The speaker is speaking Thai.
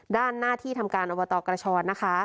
ด้านหน้าที่ทำการอบตกระชนะคะ